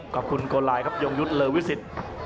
ขอบคุณโกลายย์ยงยุทธิ์เลอร์วิสิทธิ์